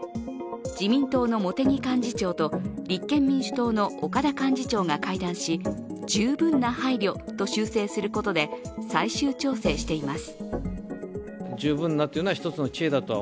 自民党の茂木幹事長と立憲民主党の岡田幹事長が会談し、十分な配慮と修正することで最終調整しています。